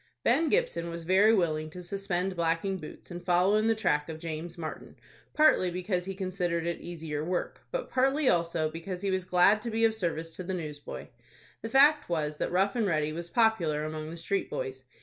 Ben Gibson was very willing to suspend blacking boots and follow in the track of James Martin, partly because he considered it easier work, but partly also, because he was glad to be of service to the newsboy. The fact was that Rough and Ready was popular among the street boys.